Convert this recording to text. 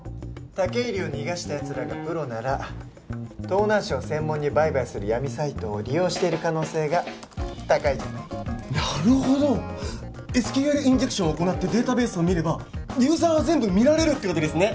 武入を逃がしたやつらがプロなら盗難車を専門に売買する闇サイトを利用している可能性が高いじゃないなるほどＳＱＬインジェクションを行ってデータベースを見ればユーザーは全部見られるってことですね！